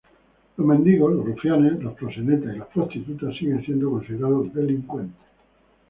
Los mendigos, los rufianes, los proxenetas y las prostitutas siguen siendo considerados delincuentes.